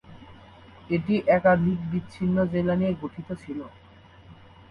এটি একাধিক বিচ্ছিন্ন জেলা নিয়ে গঠিত ছিল।